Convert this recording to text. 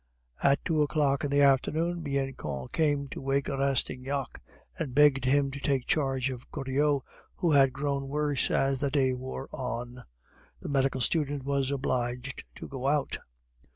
At two o'clock in the afternoon Bianchon came to wake Rastignac, and begged him to take charge of Goriot, who had grown worse as the day wore on. The medical student was obliged to go out.